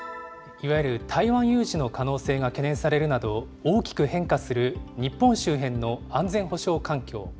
いわゆる台湾有事の可能性が懸念されるなど、大きく変化する日本周辺の安全保障環境。